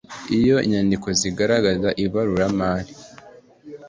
iyo inyandiko zigaragaza ibaruramari